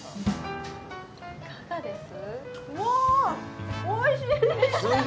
いかがです？